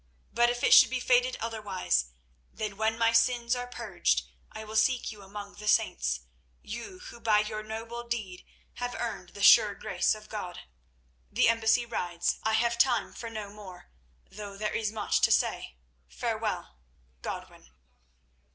But if it should be fated otherwise, then when my sins are purged I will seek you among the saints, you who by your noble deed have earned the sure grace of God. "The embassy rides. I have no time for more, though there is much to say. Farewell.—Godwin."